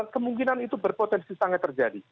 kemungkinan itu berpotensi sangat terjadi